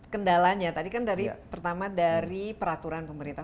kendalanya tadi kan dari pertama dari peraturan pemerintah